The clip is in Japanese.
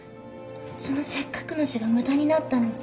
そのせっかくの死が無駄になったんです。